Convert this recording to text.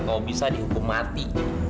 kalau bisa dihukum mati